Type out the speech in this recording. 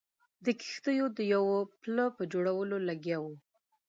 د کښتیو د یوه پله په جوړولو لګیا وو.